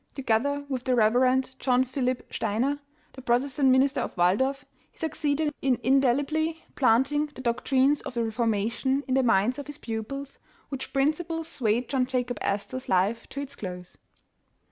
Together with the Rev. John Philip 16 The Village School and Bells Steiner, the Protestant minister of Waldorf, he suc ceeded in indelibly planting the doctrines of the Ref ormation in the minds of his pupils, which principle* swayed John Jacob Astor's life to its close.